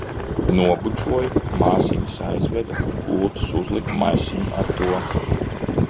Nobučoju, māsiņas aizveda, uz gultas uzliku maisiņu ar to.